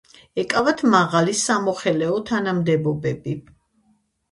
ეკავათ მაღალი სამოხელეო თანამდებობები.